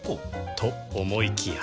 と思いきや